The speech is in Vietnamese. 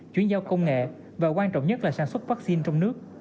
chuyển giao công nghệ và quan trọng nhất là sản xuất vaccine trong nước